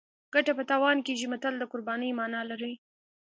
ګټه په تاوان کېږي متل د قربانۍ مانا لري